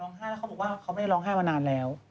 ให้แล้วเขาบอกว่าเขาไม่ได้ร้องไห้มานานแล้ว